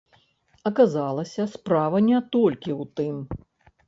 Аказалася, справа не толькі ў тым.